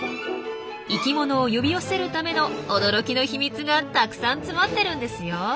生きものを呼び寄せるための驚きの秘密がたくさん詰まってるんですよ。